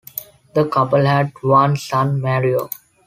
The couple had one son, Mario.